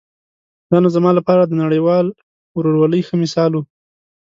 دا نو زما لپاره د نړیوال ورورولۍ ښه مثال و.